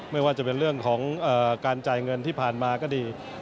ไม่ว่าจะเป็นเรื่องของการจ่ายเงินที่ผ่านมาก็ดี